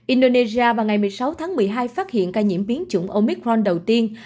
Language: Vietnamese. indonesia vào ngày một mươi sáu tháng một mươi hai phát hiện ca nhiễm biến chủng omicron đầu tiên